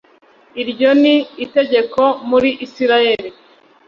Iryo ni itegeko muri Israheli